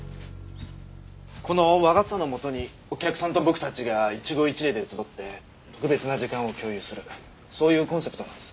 この和傘の下にお客さんと僕たちが一期一会で集って特別な時間を共有するそういうコンセプトなんです。